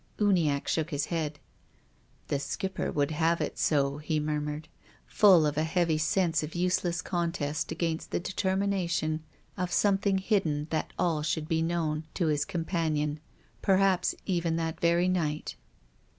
Uniacke shook his head. "The Skipper would have it so," he murmured, full of a heavy sense of useless contest against the determination of something hidden that all should be known to his companion, perhaps even that very night.